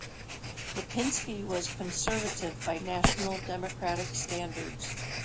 Lipinski was conservative by national Democratic standards.